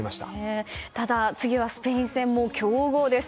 ただ、次はスペイン戦強豪です。